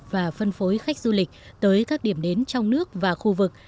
và phân phối khách du lịch tới các điểm đến trong nước và khu vực